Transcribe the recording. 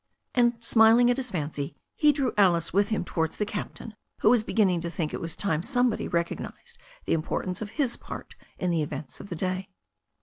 And smiling at his fancy, he drew Alice with him towards the captain, who was beginning to think it was time some body recognized the importance of his part in the events of the day.